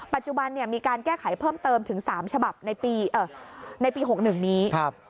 ปัจจุบันมีการแก้ไขเพิ่มเติมถึง๓ฉบับในปี๖๑นี้